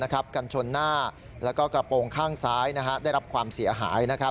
กันชนหน้าแล้วก็กระโปรงข้างซ้ายได้รับความเสียหาย